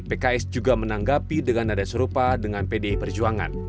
pks juga menanggapi dengan nada serupa dengan pdi perjuangan